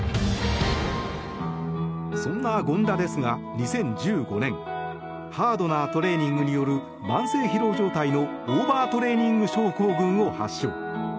そんな権田ですが２０１５年ハードなトレーニングによる慢性疲労状態のオーバートレーニング症候群を発症。